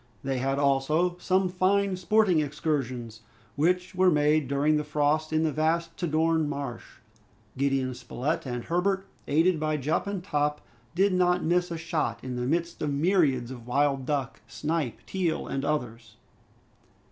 They had also some fine sporting excursions, which were made during the frost in the vast Tadorn Marsh. Gideon Spilett and Herbert, aided by Jup and Top, did not miss a shot in the midst of myriads of wild duck, snipe, teal, and others.